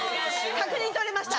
確認取れました。